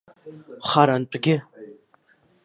Харантәгьы!